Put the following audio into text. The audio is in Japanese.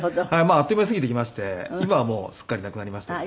あっという間に過ぎていきまして今はもうすっかりなくなりましたけど。